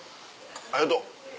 ありがとう。